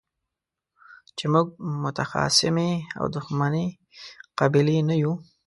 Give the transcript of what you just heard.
چې موږ متخاصمې او دښمنې قبيلې نه يو.